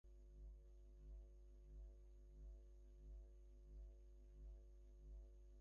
তোমার মন সন্ন্যাসী কথাটার কী অর্থ করছেন আমার মন সেইটি শোনবার জন্য উৎসুক হয়েছেন।